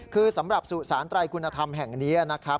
คือสำหรับสุสานไตรคุณธรรมแห่งนี้นะครับ